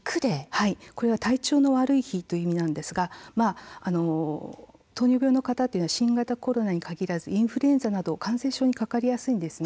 これは、体調の悪い日という意味なんですが糖尿病の方というのは新型コロナに限らずインフルエンザなど感染症にかかりやすいんですね。